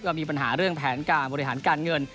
ก็มีปัญหาเรื่องแผนการบริหารการเงิน